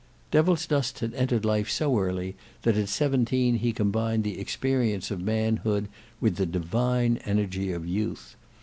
Devilsdust had entered life so early that at seventeen he combined the experience of manhood with the divine energy of youth.